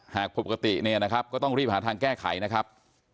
หากปกติก็ต้องรีบหาทางแก้ไขนะครับ